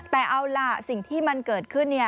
แต่เอาล่ะสิ่งที่มันเกิดขึ้น